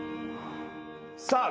さあ